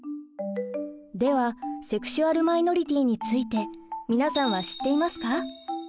ではセクシュアル・マイノリティーについて皆さんは知っていますか？